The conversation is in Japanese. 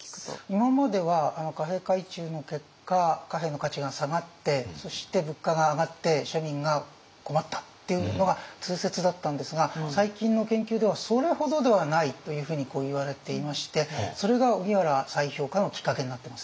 今までは貨幣改鋳の結果貨幣の価値が下がってそして物価が上がって市民が困ったっていうのが通説だったんですが最近の研究ではそれほどではないというふうにいわれていましてそれが荻原再評価のきっかけになってますね。